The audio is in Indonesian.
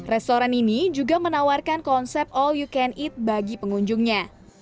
restoran ini juga menawarkan konsep all you can eat bagi pengunjungnya